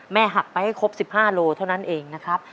แม่หักไปให้ครบสิบห้าโลเท่านั้นเองนะครับ